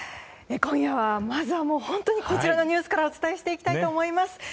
今夜は、まずはこちらのニュースからお伝えしていきたいと思います。